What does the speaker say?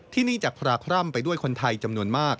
ที่นี่จะพราคร่ำไปด้วยคนไทยจำนวนมาก